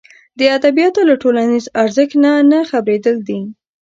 د ادبیاتو له ټولنیز ارزښت نه خبرېدل دي.